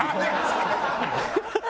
ハハハハ！